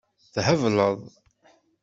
Thebleḍ.